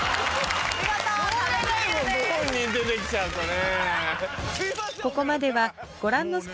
ご本人出て来ちゃうとね。